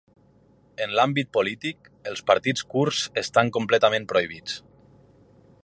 En l’àmbit polític, els partits kurds estan completament prohibits.